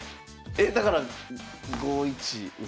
えだから５一馬。